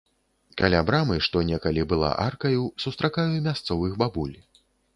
Каля брамы, што некалі была аркаю, сустракаю мясцовых бабуль.